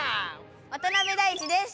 渡辺大馳です。